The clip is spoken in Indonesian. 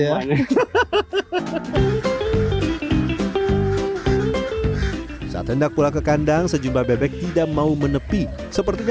bye bye hahaha having a skinny ke kandang sejumlah bebek tidak mau menepi sepertinya